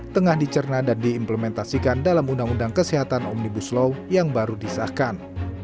tengah dicerna dan diimplementasikan dalam undang undang kesehatan omnibus law yang baru disahkan